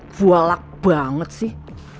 bualak banget sih